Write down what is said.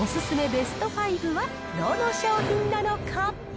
ベスト５はどの商品なのか。